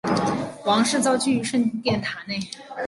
王室遭拘于圣殿塔内。